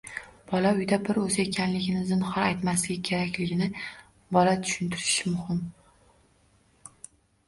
Bola uyda bir o‘zi ekanligini zinhor aytmasligi kerakligini bola tushuntirish muhim.